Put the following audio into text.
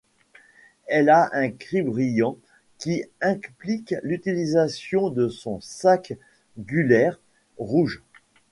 Elle a un cri bruyant qui implique l'utilisation de son sac gulaire rouge.